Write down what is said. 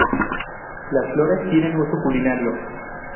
Las flores tienen uso culinario.